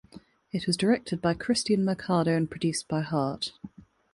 It was directed by Kristian Mercado and produced by Hart.